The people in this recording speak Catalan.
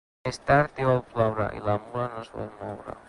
És tard i vol ploure, i la mula no es vol moure.